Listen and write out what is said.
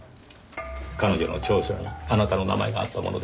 彼女の調書にあなたの名前があったものですから。